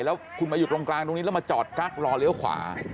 แล้วคุณมาอยู่ตรงกลางตรงนี้แล้วมาจอดกั๊กรอเลี้ยวขวา